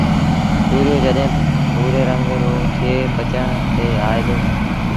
تُوريو جڏهيݩ ڀُوري رنگ رو ٿئي پچڻ تي آئي دو